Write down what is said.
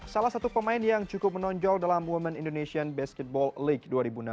salah satu pemain yang cukup menonjol dalam women indonesian basketball league dua ribu enam belas